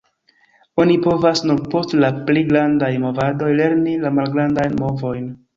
Oni povas nur post la pli grandaj movadoj lerni la malgrandajn movojn.